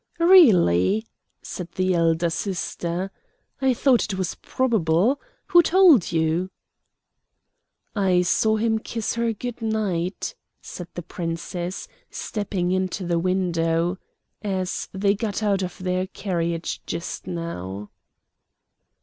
"Really!" said the elder sister. "I thought it was probable. Who told you?" "I saw him kiss her good night," said the Princess, stepping into the window, "as they got out of their carriage just now."